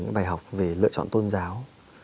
những bài học về lựa chọn tôn giáo